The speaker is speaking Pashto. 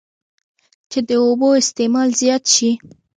چې د اوبو استعمال زيات شي